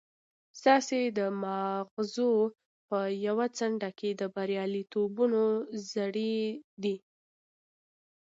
ستاسې د ماغزو په يوه څنډه کې د برياليتوبونو زړي دي.